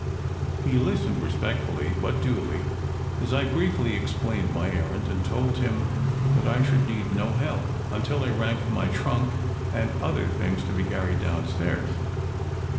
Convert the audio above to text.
He listened respect fully but dully as I briefly explained my errand and told him that I should need no help until I rang for my trunk and other things to be carried downstairs.